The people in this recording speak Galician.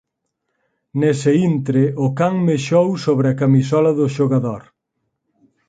Nese intre o can mexou sobre a camisola do xogador.